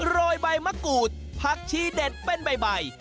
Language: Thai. โรยใบมะกรูดผักชีเด็ดเป็นใบ